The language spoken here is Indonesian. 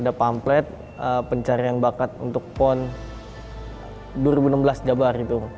ada pamplet pencarian bakat untuk pon dua ribu enam belas jabar itu